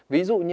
ví dụ như